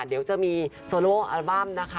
เดี๋ยวจะมีโซโลอัลบั้มนะคะ